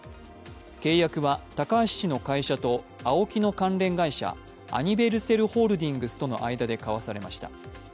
契約は高橋氏の会社とＡＯＫＩの関連会社アニヴェルセルＨＯＬＤＩＮＧＳとの間で交わされました。